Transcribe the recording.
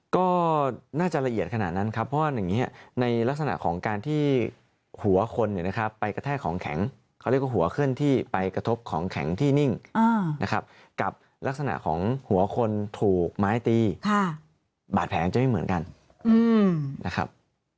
ก็น่าจะละเอียดขนาดนั้นครับเพราะว่าอย่างนี้ในลักษณะของการที่หัวคนเนี่ยนะครับไปกระแทกของแข็งเขาเรียกว่าหัวเคลื่อนที่ไปกระทบของแข็งที่นิ่งนะครับกับลักษณะของหัวคนถูกไม้ตีบาดแผลจะไม่เหมือนกันนะครับ